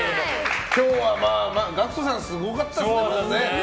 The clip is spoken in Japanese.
今日はＧＡＣＫＴさんすごかったですね。